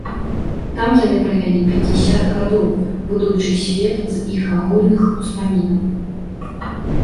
Там яны правялі пяцьдзясят гадоў, будуючы свет з іх агульных успамінаў.